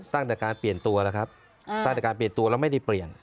ตั้งแต่การเปลี่ยนตัวแล้วครับตั้งแต่การเปลี่ยนตัวแล้วไม่ได้เปลี่ยน